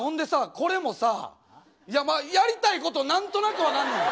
これもさいやまあやりたいこと何となく分かんねんで。